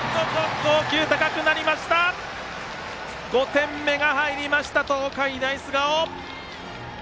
５点目が入りました、東海大菅生。